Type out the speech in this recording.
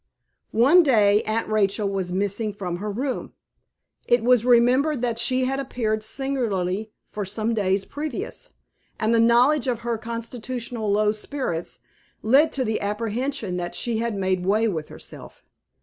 One day Aunt Rachel was missing from her room. It was remembered that she had appeared singularly for some days previous, and the knowledge of her constitutional low spirits, led to the apprehension that she had made way with herself.